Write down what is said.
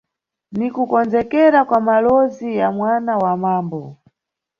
Ni kukonzekera kwa malowozi ya mwana wa mambo.